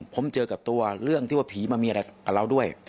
ผมเจอกับตัวเรื่องที่ว่าผีมามีอะไรกับเราด้วย